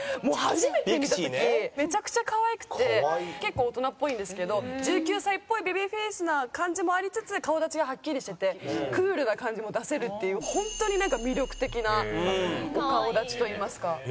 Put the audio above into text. もう初めて見た時めちゃくちゃ可愛くて結構大人っぽいんですけど１９歳っぽいベビーフェースな感じもありつつ顔立ちがハッキリしててクールな感じも出せるっていう本当になんか魅力的なお顔立ちといいますか。